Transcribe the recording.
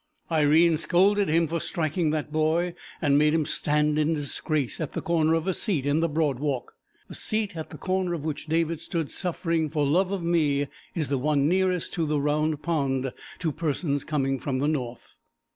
Irene scolded him for striking that boy, and made him stand in disgrace at the corner of a seat in the Broad Walk. The seat at the corner of which David stood suffering for love of me, is the one nearest to the Round Pond to persons coming from the north.